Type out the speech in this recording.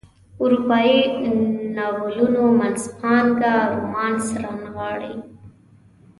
اروپایي ناولونو منځپانګه رومانس رانغاړي.